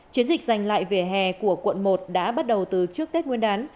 chiến dịch giành lại vẻ hè của quận một đã bắt đầu từ trước tết nguyên đán